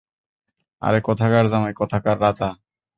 আরে কোথাকার জামাই, কোথাকার রাজা।